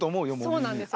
そうなんですよ。